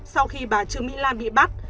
sau khi bà trương mỹ lan bị bắt